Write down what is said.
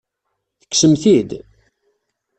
Tekksem-t-id?